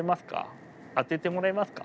当ててもらえますか。